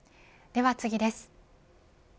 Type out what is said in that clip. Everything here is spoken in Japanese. では次です。